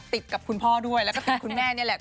ติดกับคุณพ่อด้วยแล้วก็ติดคุณแม่นี่แหละ